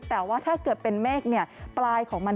แต่ว่าถ้าเกิดเป็นเมฆปลายของมัน